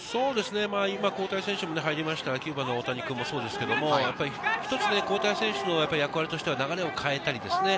今、交代選手も入りましたが、大谷君もそうですけど、一つ交代選手の役割としては流れを変えたいですね。